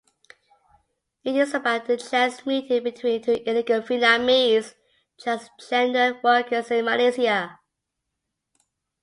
It is about the chance meeting between two illegal Vietnamese transgender workers in Malaysia.